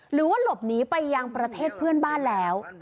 หรือว่าหลบหนีไปยังประเทศเพื่อนบ้านแล้ว